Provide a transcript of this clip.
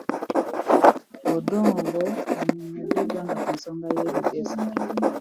Odongo bw'annyonnyodde eggwanga ku nsonga y'ebigezo